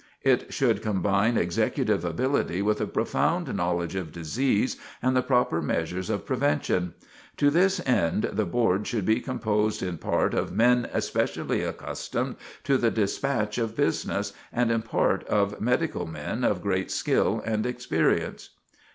It should combine executive ability with a profound knowledge of disease and the proper measures of prevention. To this end the board should be composed in part of men especially accustomed to the dispatch of business, and in part of medical men of great skill and experience.